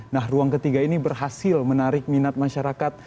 nah ruang ketiga ini berhasil menarik minat masyarakat